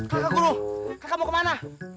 kata guru kakak mau kemana